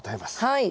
はい。